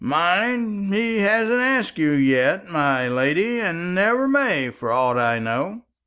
Mind, he hasn't asked you yet, my lady; and never may, for aught I know."